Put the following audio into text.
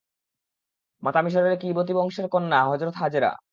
মাতা মিসরের কিবতী বংশের কন্যা হযরত হাজেরা।